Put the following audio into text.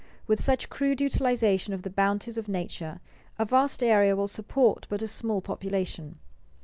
With such crude utilization of the bounties of nature, a vast area will support but a small population.